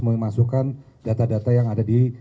memasukkan data data yang ada di